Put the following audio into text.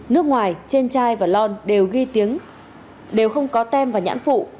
nước ngoài trên chai và lon đều ghi tiếng đều không có tem và nhãn phụ